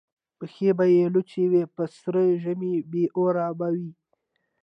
پښې به یې لوڅي وي په سره ژمي بې اوره به وي